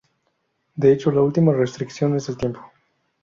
De hecho, la última restricción es el tiempo.